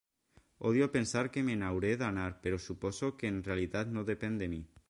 Odio pensar que me n'hauré d'anar, però suposo que en realitat no depèn de mi.